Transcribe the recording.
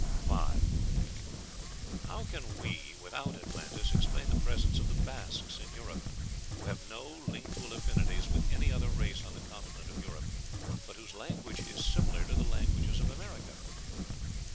5. How can we, without Atlantis, explain the presence of the Basques in Europe, who have no lingual affinities with any other race on the continent of Europe, but whose language is similar to the languages of America?